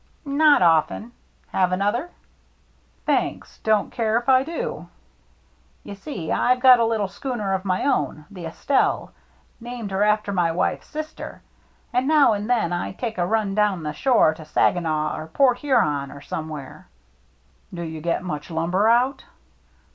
" Not often — have another ?"" Thanks, don't care if I do." ^^^^\K lOO THE MERRT JNNE "You see I've got a little schooner of my own, the Estelle^ — named her after my wife's sister, — and now and then I take a run down the shore to Saginaw or Port Huron, or some where." " Do you get much lumber out